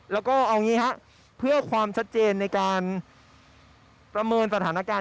แล้วก็เอางี้ครับเพื่อความชัดเจนในการประเมินสถานการณ์